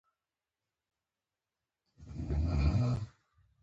تالابونه د افغانستان د جغرافیې یوه څرګنده بېلګه ده.